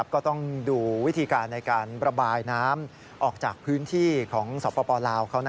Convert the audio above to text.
ก็ต้องดูวิธีการในการระบายน้ำออกจากพื้นที่ของสปลาวเขา